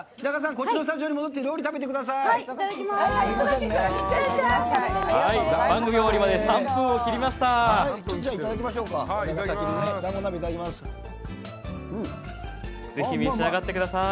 こっちのスタジオ戻って料理食べてください！